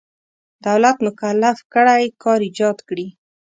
دولت مکلف کړی کار ایجاد کړي.